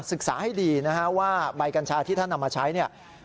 ศึกษาให้ดีนะฮะว่าใบกัญชาที่ท่านนำมาใช้เนี่ย